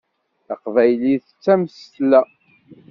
Taqbaylit d tamsetla.